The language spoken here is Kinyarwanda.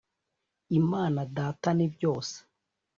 Imana Data nibyose.